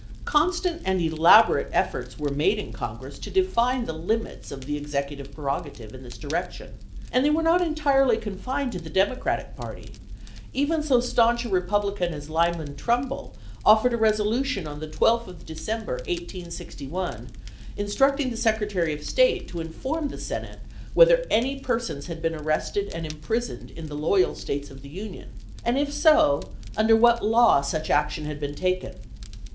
Constant and elaborate efforts were made in Con gress to define the limits of the Executive preroga tive in this direction, and they were not entirely confined to the Democratic party; even so stanch a Republican as Lyman Trumbull offered a resolution on the 12th of December, 1861, instructing the Secre tary of State to inform the Senate whether any persons had been arrested and imprisoned in the loyal States of the Union, and if so, under what law such action had been taken.